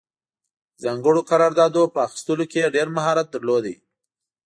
د ځانګړو قراردادونو په اخیستلو کې یې ډېر مهارت درلود.